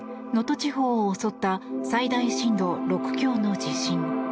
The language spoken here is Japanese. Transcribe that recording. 地方を襲った最大震度６強の地震。